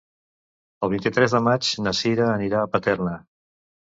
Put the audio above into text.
El vint-i-tres de maig na Cira irà a Paterna.